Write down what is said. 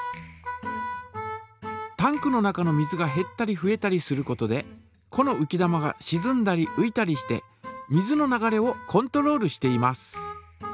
タンクの中の水がへったりふえたりすることでこのうき玉がしずんだりういたりして水の流れをコントロールしています。